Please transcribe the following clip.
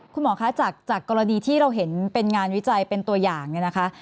คุณหมอคะจากกรณีที่เราเห็นเป็นงานวิจัยเป็นตัวอย่างเนี่ยนะคะ